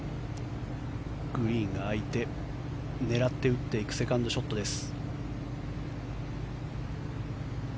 グリーンが空いて狙って打っていくセカンドショットです。